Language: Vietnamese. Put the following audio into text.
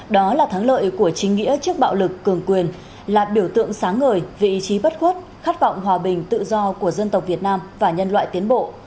đó là thắng lợi của chính nghĩa trước bạo lực cường quyền là biểu tượng sáng ngời vị trí bất khuất khát vọng hòa bình tự do của dân tộc việt nam và nhân loại tiến bộ